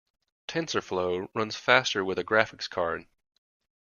Tensorflow runs faster with a graphics card.